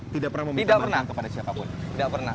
tidak pernah meminta dana kepada siapapun